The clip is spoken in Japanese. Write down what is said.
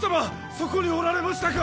そこにおられましたか。